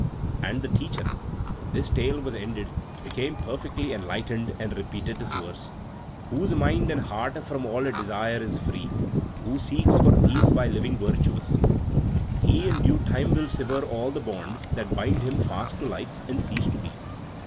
And the Teacher, when this tale was ended, became perfectly enlightened, and repeated this verse: _Whose mind and heart from all desire is free, Who seeks for peace by living virtuously, He in due time will sever all the bonds That bind him fast to life, and cease to be.